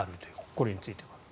これについては。